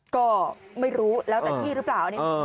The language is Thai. ก็ไม่รู้แล้วแต่ที่หรือเปล่าเนี่ย